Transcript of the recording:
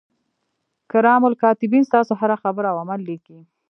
کرام الکاتبین ستاسو هره خبره او عمل لیکي.